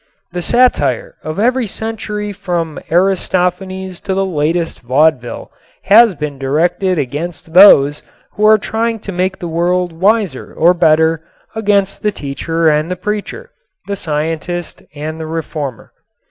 The satire of every century from Aristophanes to the latest vaudeville has been directed against those who are trying to make the world wiser or better, against the teacher and the preacher, the scientist and the reformer.